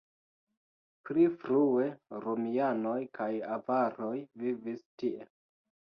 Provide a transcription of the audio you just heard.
Pli frue romianoj kaj avaroj vivis tie.